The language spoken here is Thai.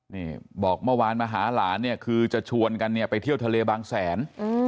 นี่บอกเมื่อวานมาหาหลานเนี่ยคือจะชวนกันเนี่ยไปเที่ยวทะเลบางแสน